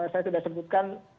saya sudah sebutkan